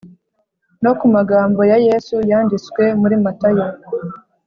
no ku magambo ya yesu yanditswe muri matayo